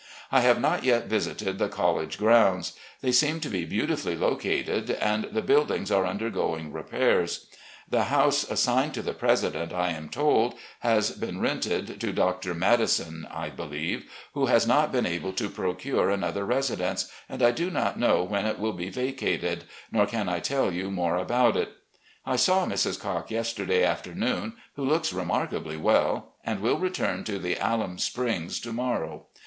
I have not yet visited the college grounds. They seem to be beautifully located, and the buildings are tmdergoing repairs. The house assigned to the president, I am told. PRESIDENT OF WASHINGTON COLLEGE 185 has been rented to Dr. Madison (I believe), who has not been able to procure another residence, and I do not know when it will be vacated, nor can I tell you more about it. I saw Mrs. Cocke yesterday afternoon, who looks remarkably well, and will return to the Alum [Springs] to morrow.